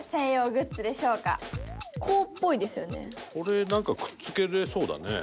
これなんかくっつけられそうだね。